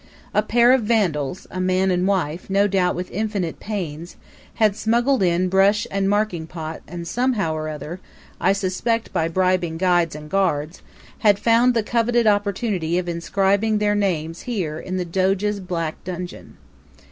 A pair of vandals, a man and wife no doubt with infinite pains had smuggled in brush and marking pot and somehow or other I suspect by bribing guides and guards had found the coveted opportunity of inscribing their names here in the Doges' black dungeon.